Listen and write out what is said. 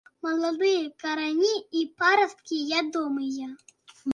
Маладыя карані і парасткі ядомыя.